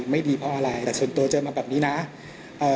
ไม่ดีเพราะอะไรแต่ส่วนตัวเจอมาแบบนี้นะเอ่อ